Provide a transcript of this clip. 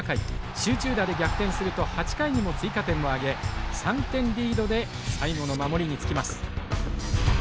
集中打で逆転すると８回にも追加点を挙げ３点リードで最後の守りにつきます。